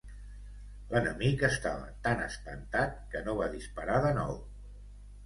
L'enemic estava tan espantat que no va disparar de nou.